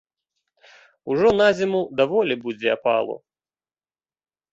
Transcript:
Ужо на зіму даволі будзе апалу.